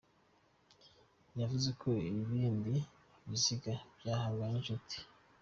Yavuze ko ibindi biziga vyahambwe n'incuti.